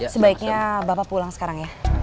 sebaiknya bapak pulang sekarang ya